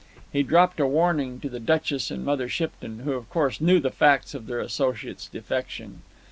He dropped a warning to the Duchess and Mother Shipton, who of course knew the facts of their associate's defection.